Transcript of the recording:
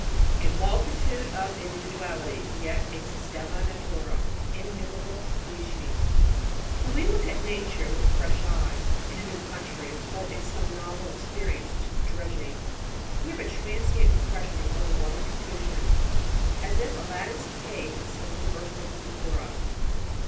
A MULTITUDE OF INDIVIDUALITIES, YET A SYSTEMA NATURAE Innumerable Species When we look at Nature with a fresh eye, in a new country, or in some novel experience such as dredging, we have a transient impression of overwhelming confusion, as if Aladdin's cave had been suddenly burst open before us.